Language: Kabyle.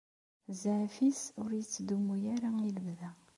Zzɛaf-is ur ittdumw ara i lebda.